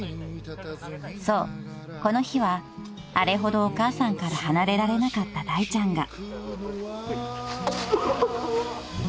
［そうこの日はあれほどお母さんから離れられなかっただいちゃんが］